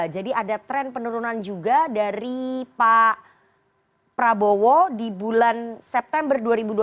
jadi ada tren penurunan juga dari pak prabowo di bulan september dua ribu dua puluh dua